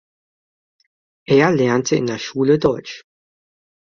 Er lernte in der Schule Deutsch.